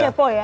oh kepo ya